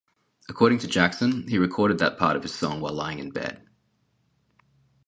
According to Jackson, he recorded that part of his song while lying in bed.